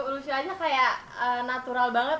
lucu aja kayak natural banget